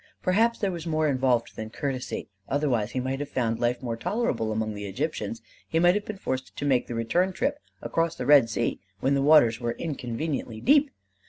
Perhaps there was more involved than courtesy: otherwise he might have found life more tolerable among the Egyptians: he might have been forced to make the return trip across the Red Sea when the waters were inconveniently deep.